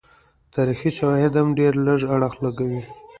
تاریخي شواهد هم ډېر لږ اړخ لګوي.